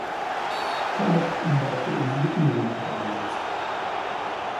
Kenneth wurde auf der Insel Iona beigesetzt.